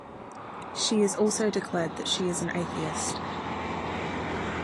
She has also declared that she is an atheist.